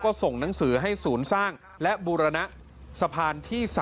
ก็ส่งหนังสือให้ศูนย์สร้างและบูรณะสะพานที่๓